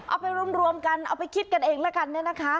เอาไปรวมกันเอาไปคิดกันเองแล้วกันเนี่ยนะคะ